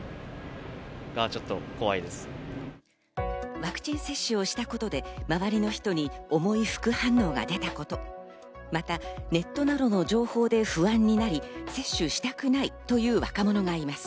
ワクチン接種をしたことで周りの人に重い副反応が出たこと、またネットなどの情報で不安になり、接種したくないという若者がいます。